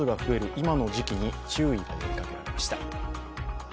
今の時期に、注意を呼びかけました。